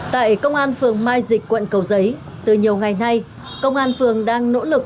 tại công an phường mai dịch quận cầu giấy từ nhiều ngày nay công an phường đang nỗ lực